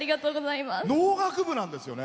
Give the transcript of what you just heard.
農学部なんですよね？